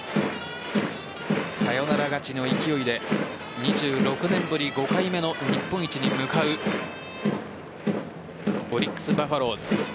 サヨナラ勝ちの勢いで２６年ぶり５回目の日本一に向かうオリックス・バファローズ。